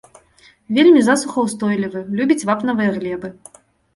Вельмі засухаўстойлівы, любіць вапнавыя глебы.